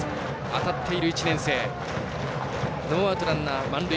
当たっている１年生。